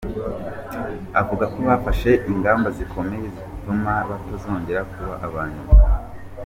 Avuga ko bafashe ingamba zikomeye zizatuma batongera kuba abanyuma.